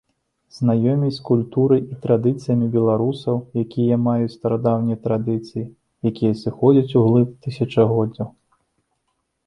Знаёміць з культурай і традыцыямі беларусаў, якія маюць старадаўнія традыцыі, якія сыходзяць углыб тысячагоддзяў.